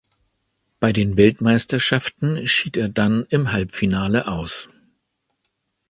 Bei den Weltmeisterschaften schied er dann im Halbfinale aus.